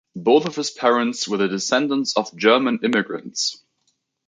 Both of his parents were the descendants of German immigrants.